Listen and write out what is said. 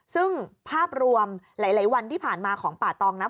ซึ่งภาพรวมหลายวันที่ผ่านมาของป่าตองนะ